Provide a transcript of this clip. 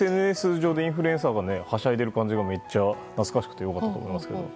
ＳＮＳでインフルエンサーがはしゃいでいる感じがめっちゃ懐かしくて良かったと思いますけど。